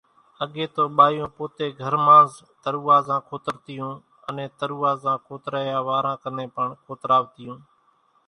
اڳيَ تو ٻايوُن پوتيَ گھر مانز ترُووازان کوترتيون، انين ترُووازان کوتريا واران ڪنين پڻ کوتراوتيون۔